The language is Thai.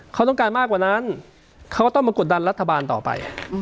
เขาต้องการมากกว่านั้นเขาก็ต้องมากดดันรัฐบาลต่อไป